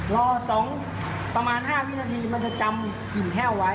รอสองประมาณห้ามินาทีมันจะจำหินแห้วไว้